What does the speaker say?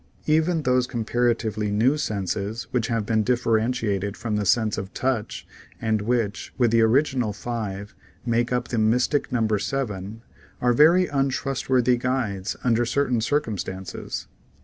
Even those comparatively new 149 ISO THE SEVEN FOLLIES OF SCIENCE senses 1 which have been differentiated from the sense of touch and which, with the original five, make up the mystic number seven, are very untrustworthy guides under certain circumstances.